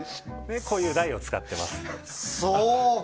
こういう台を使っています。